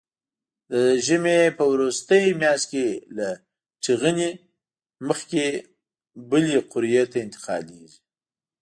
د ژمي په وروستۍ میاشت کې له ټېغنې مخکې بلې قوریې ته انتقالېږي.